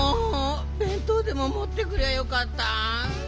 べんとうでももってくりゃよかった。